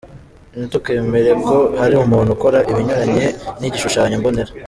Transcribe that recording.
Ntitukemere ko hari umuntu ukora ibinyuranye n’igishushanyo mbonera.